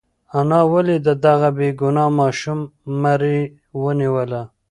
انا ولې د دغه بېګناه ماشوم مرۍ ونیوله؟